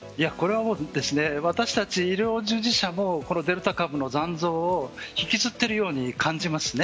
私たち医療従事者もデルタ株の残像を引きずっているように感じます。